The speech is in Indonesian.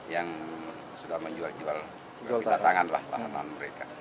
yang sudah menjual jual kita tangan lah tahanan mereka